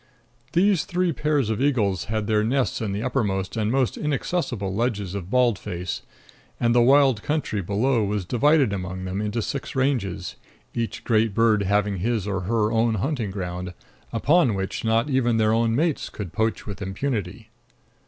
These three pairs of eagles had their nests in the uppermost and most inaccessible ledges of Bald Face; and the wild country below was divided among them into six ranges, each great bird having his or her own hunting ground, upon which not even their own mates could poach with impunity.